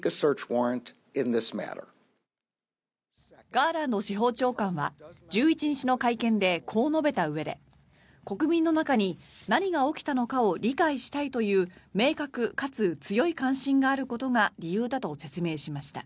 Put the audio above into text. ガーランド司法長官は１１日の会見でこう述べたうえで国民の中に、何が起きたのかを理解したいという明確かつ強い関心があることが理由だと説明しました。